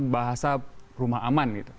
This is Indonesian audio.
bahasa rumah aman